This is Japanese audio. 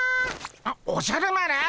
あっおじゃる丸！